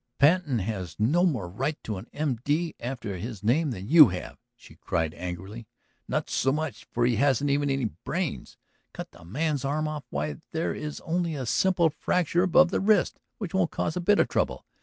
"Patten has no more right to an M.D. after his name than you have," she cried angrily. "Not so much, for he hasn't even any brains! Cut the man's arm off! Why, there is only a simple fracture above the wrist which won't cause a bit of trouble.